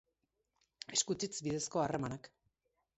Eskutitz bidezko harremanak.